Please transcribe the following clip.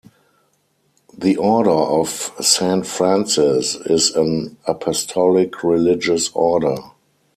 The Order of Saint Francis is an Apostolic religious order.